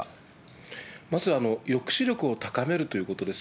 まず、抑止力を高めるということです。